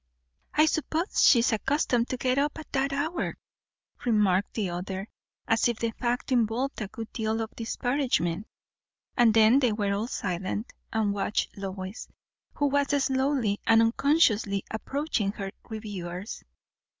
"I suppose she is accustomed to get up at that hour," remarked the other, as if the fact involved a good deal of disparagement. And then they were all silent, and watched Lois, who was slowly and unconsciously approaching her reviewers.